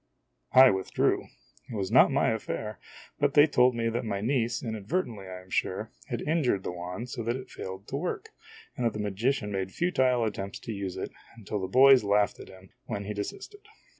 I withdrew. It was not my affair, but they told me that my niece, inadvertently I am sure, had injured the wand so that it failed to work, and that the magician made futile attempts to use it, until the boys laughed at him, when he desisted.